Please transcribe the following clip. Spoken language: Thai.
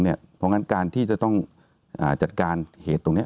เพราะฉะนั้นการที่จะต้องจัดการเหตุตรงนี้